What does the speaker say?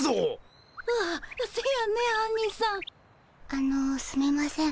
あのすみません